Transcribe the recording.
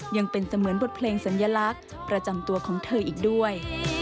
ยังเป็นเสมือนบทเพลงสัญลักษณ์ประจำตัวของเธออีกด้วย